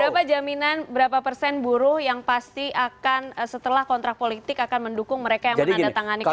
berapa jaminan berapa persen buruh yang pasti akan setelah kontrak politik akan mendukung mereka yang menandatangani kontrak